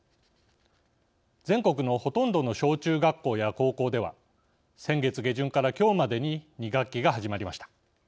全国のほとんどの小中学校や高校では先月下旬からきょうまでに２学期が始まりました。